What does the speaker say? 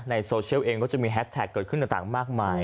ในโซเชียลเองก็จะมีแฮสแท็กเกิดขึ้นต่างมากมาย